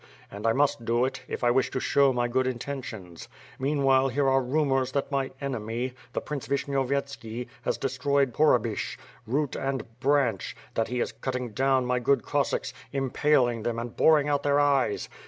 And I must do it, if I wish to show my good intentions. Mean while, here are rumors that my enemy, the Prince Vishnyov yetski, has destroyed Pohrebyshch, root and branch; that he is cutting down my good Cossacks; impaling them and boring out their eyes.